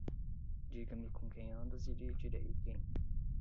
Diga-me com quem andas e lhe direi quem